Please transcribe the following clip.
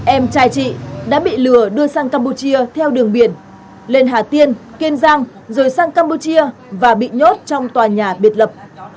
em trai chị đã bị lừa đưa sang campuchia theo đường biển lên hà tiên kiên giang rồi sang campuchia và bị nhốt trong tòa nhà biệt lập